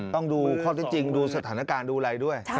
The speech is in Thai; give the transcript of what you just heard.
ต้องดูข้อที่จริงดูสถานการณ์ดูอะไรด้วย